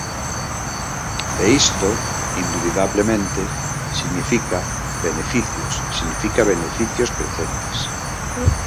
E isto, indubidablemente, significa beneficios, significa beneficios crecentes.